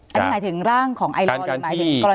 อันนี้หมายถึงร่างของไอลอร์หรือหมายถึงกรณี